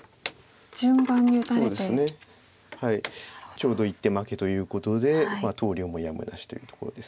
ちょうど１手負けということで投了もやむなしというところです。